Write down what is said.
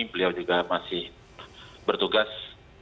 beliau juga masih bertugas